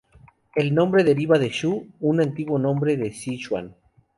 El nombre deriva de "Shu", un antiguo nombre de Sichuan.